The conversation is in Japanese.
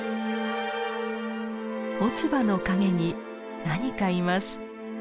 落ち葉の陰に何かいます。